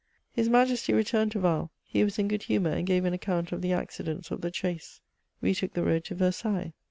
His Majesty returned to Val ; he was in good humour, and gave an account of the accidents of the chase. We took the road to Versailles.